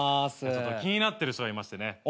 ちょっと気になってる人がいましてね。